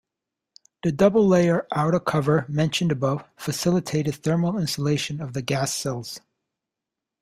The double-layer outer cover, mentioned above, facilitated thermal insulation of the gas cells.